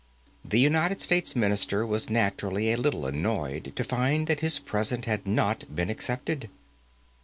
The United States Minister was naturally a little annoyed to find that his present had not been accepted.